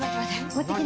持っていきな。